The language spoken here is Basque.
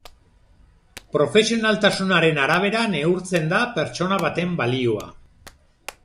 Profesionaltasunaren arabera neurtzen da pertsona baten balioa.